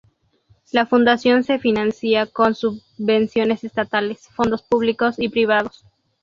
La Fundación se financia con subvenciones estatales, fondos públicos y privados.